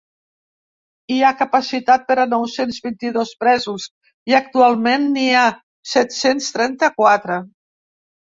Hi ha capacitat per a nou-cents vint-i-dos presos i actualment n’hi ha set-cents trenta-quatre.